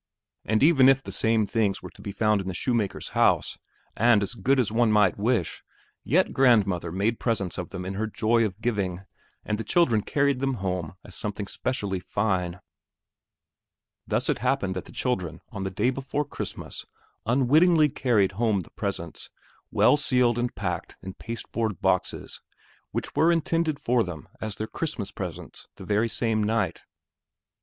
And even if the same things were to be found in the shoemaker's house and as good as one might wish, yet grandmother made presents of them in her joy of giving, and the children carried them home as something especially fine. Thus it happened that the children on the day before Christmas unwittingly carried home the presents well sealed and packed in paste board boxes which were intended for them as their Christmas presents the very same night.